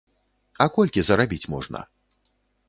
А колькі зарабіць можна?